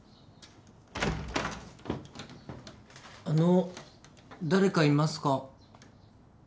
あの誰かいますか？